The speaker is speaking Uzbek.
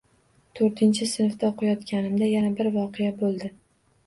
To‘rtinchi sinfda o‘qiyotganimda yana bir voqea bo‘ldi.